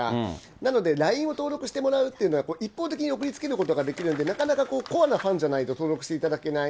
なので、ＬＩＮＥを登録してもらうというのは、一方的に送り付けることができるので、なかなかコアなファンじゃないと登録していただけない。